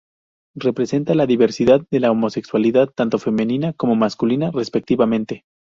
Representa la diversidad de la homosexualidad tanto femenina como masculina, respectivamente.